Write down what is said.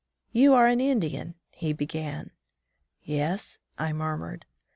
"You are an Indian?" he began. "Yes," I murmured.